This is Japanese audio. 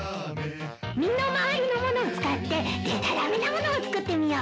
身の回りのものを使ってでたらめなものを作ってみよう。